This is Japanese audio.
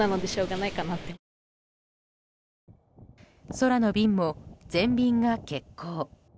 空の便も全便が欠航。